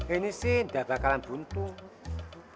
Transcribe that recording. ini sih nggak bakalan buntuh